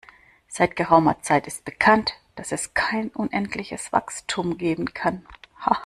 Seit geraumer Zeit ist bekannt, dass es kein unendliches Wachstum geben kann.